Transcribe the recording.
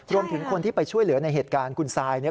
รวมถึงคนที่ไปช่วยเหลือในเหตุการณ์คุณซาย